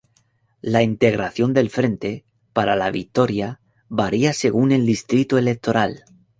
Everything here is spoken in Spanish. La integración del Frente para la Victoria varía según el distrito electoral.